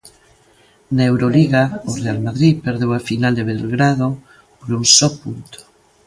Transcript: Na Euroliga, o Real Madrid perdeu a final de Belgrado por un só punto.